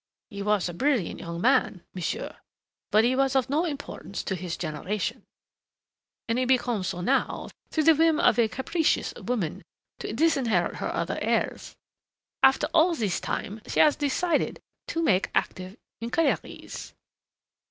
"He was a brilliant young man, monsieur, but he was of no importance to his generation and he becomes so now through the whim of a capricious woman to disinherit her other heirs. After all this time she has decided to make active inquiries."